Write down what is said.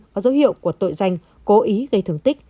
có dấu hiệu của tội danh cố ý gây thương tích